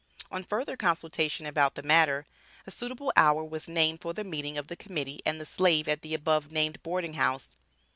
On further consultation about the matter, a suitable hour was named for the meeting of the Committee and the Slave at the above named boarding house.